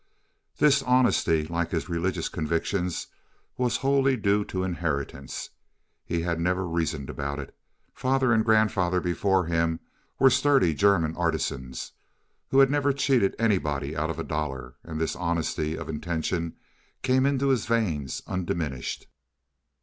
This honesty, like his religious convictions, was wholly due to inheritance. He had never reasoned about it. Father and grandfather before him were sturdy German artisans, who had never cheated anybody out of a dollar, and this honesty of intention came into his veins undiminished.